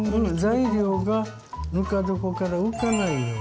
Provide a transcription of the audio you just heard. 材料がぬか床から浮かないように。